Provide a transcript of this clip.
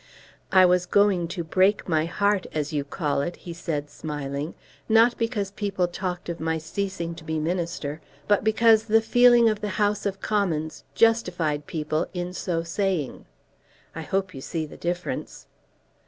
"I was going to break my heart, as you call it," he said, smiling, "not because people talked of my ceasing to be minister, but because the feeling of the House of Commons justified people in so saying. I hope you see the difference."